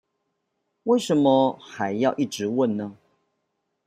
為什麼還要一直問呢？